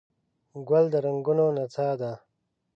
ګل د رنګونو نڅا ده.